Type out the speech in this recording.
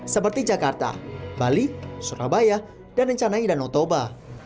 seperti jakarta bali surabaya dan nencanai dan otoba